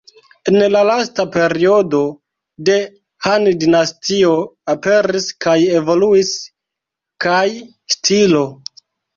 En la lasta periodo de Han-dinastio aperis kaj evoluis Kai-stilo.